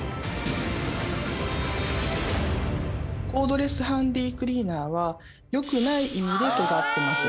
コードレスハンディクリーナーはよくない意味で尖ってます。